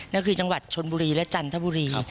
นั้นคือจังหวัดชนบุรีและจันทบุรี